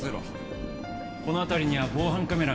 この辺りには防犯カメラが一切ない。